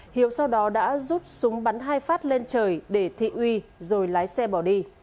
hiếu sau đó đã giúp súng bắn hai phát lên trời để thi uy rồi lái xe bỏ đi